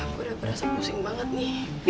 aku udah berasa pusing banget nih